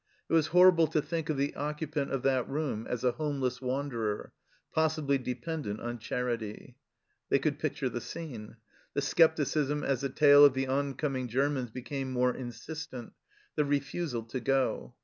It was horrible to think of the occupant of that room as a homeless wanderer, possibly dependent on charity ! They could picture the scene. The scepticism as the tale of the oncoming Germans became more insistent ; the refusal to go.